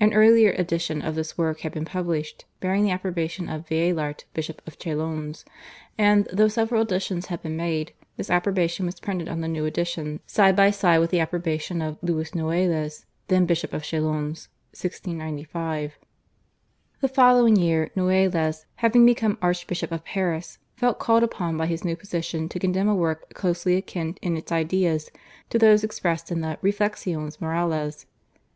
An earlier edition of this work had been published, bearing the approbation of Vialart, Bishop of Chalons, and though several additions had been made, this approbation was printed on the new edition side by side with the approbation of Louis Noailles, then Bishop of Chalons (1695). The following year Noailles having become Archbishop of Paris felt called upon by his new position to condemn a work closely akin in its ideas to those expressed in the /Reflexions Morales